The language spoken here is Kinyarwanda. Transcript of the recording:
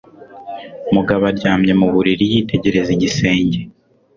Mugabo aryamye mu buriri yitegereza igisenge.